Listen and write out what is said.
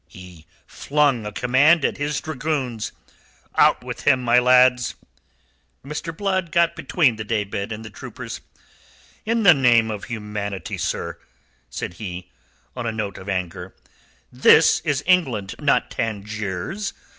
He flung a command at his dragoons. "Out with him, my lads." Mr. Blood got between the day bed and the troopers. "In the name of humanity, sir!" said he, on a note of anger. "This is England, not Tangiers.